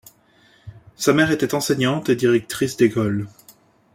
Sa mère était enseignante et directrice d'école.